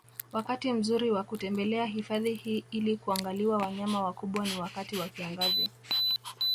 Wakati mzuri wa kutembelea hifadhi hii ili kuangaliwa wanyama wakubwa ni wakati wa kiangazi